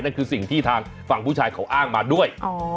นั่นคือสิ่งที่ทางฝั่งผู้ชายเขาอ้างมาด้วย